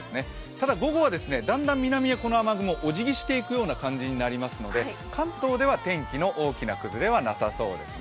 ただ、午後はだんだんと南へこの雨雲、お辞儀するような感じになりますので関東では天気の大きな崩れはなさそうですね。